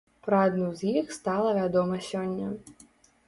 Пра адну з іх стала вядома сёння.